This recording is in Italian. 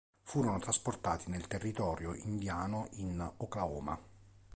Furono trasportati nel territorio indiano in Oklahoma.